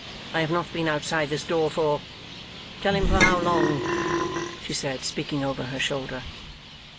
I have not been outside this door for tell him for how long,' she said, speaking over her shoulder.